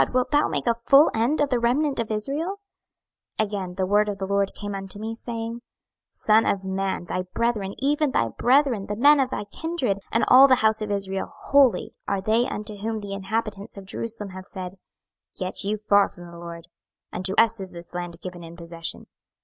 wilt thou make a full end of the remnant of Israel? 26:011:014 Again the word of the LORD came unto me, saying, 26:011:015 Son of man, thy brethren, even thy brethren, the men of thy kindred, and all the house of Israel wholly, are they unto whom the inhabitants of Jerusalem have said, Get you far from the LORD: unto us is this land given in possession.